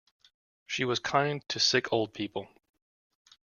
She was kind to sick old people.